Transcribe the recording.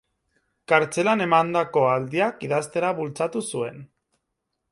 Kartzelan emandako aldiak idaztera bultzatu zuen.